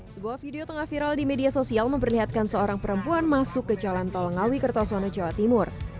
sebuah video tengah viral di media sosial memperlihatkan seorang perempuan masuk ke jalan tol ngawi kertosono jawa timur